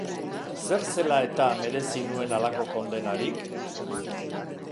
Zer zela-eta merezi nuen halako kondenarik?